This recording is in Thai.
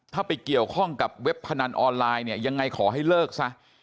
ถ้าไปเกี่ยวข้องกับเว็บพนันออนไลน์เนี่ยยังไงขอให้เลิกซะ